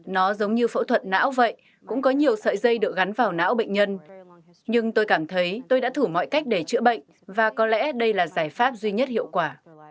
nó giống như phẫu thuật não vậy cũng có nhiều sợi dây được gắn vào não bệnh nhân nhưng tôi cảm thấy tôi đã thử mọi cách để chữa bệnh và có lẽ đây là giải pháp duy nhất hiệu quả